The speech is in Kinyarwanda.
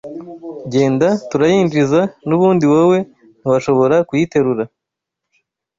Genda Turayinjiza nubundi wowe ntiwashobora kuyiterura